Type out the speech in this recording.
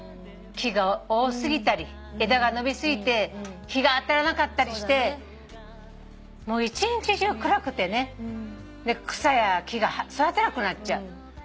木が多過ぎたり枝が伸び過ぎて日が当たらなかったりしてもう一日中暗くてね草や木が育たなくなっちゃう。